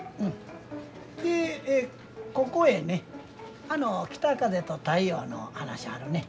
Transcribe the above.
でここへねあの北風と太陽の話あるね。